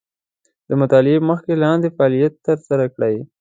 د مطالعې مخکې لاندې فعالیت تر سره کړئ.